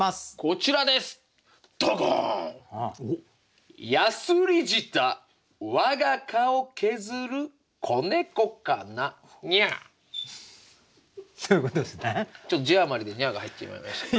ちょっと字余りで「にゃあ」が入ってしまいましたけど。